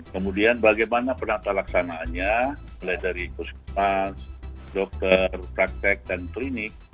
kemudian bagaimana perantara laksanaannya mulai dari kursus pas dokter praktek dan klinik